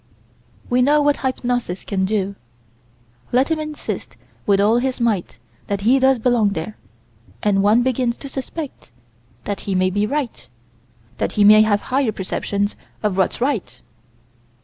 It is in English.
We know what hypnosis can do: let him insist with all his might that he does belong there, and one begins to suspect that he may be right; that he may have higher perceptions of what's right.